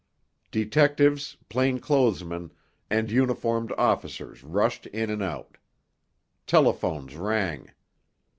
Detectives, plain clothes men, and uniformed officers rushed in and out. Telephones rang.